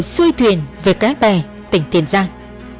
xui thuyền về các bè tỉnh tiền giang